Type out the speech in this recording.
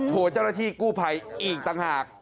โถเจ้าตฤษฎีกู้ไภอีกต่างหาก